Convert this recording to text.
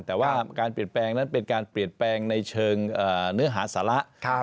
แต่ว่าการเปลี่ยนแปลงนั้นเป็นการเปลี่ยนแปลงในเชิงเนื้อหาสาระ